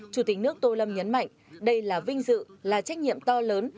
chủ tịch nước tô lâm nhấn mạnh đây là vinh dự là trách nhiệm to lớn